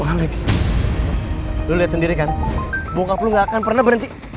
om alex lo liat sendiri kan bokap lo gak akan pernah berhenti